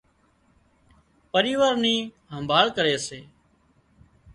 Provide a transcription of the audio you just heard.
پريوار نِي همڀاۯ ڪري سي